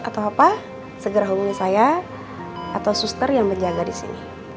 atau apa segera hubungi saya atau suster yang menjaga di sini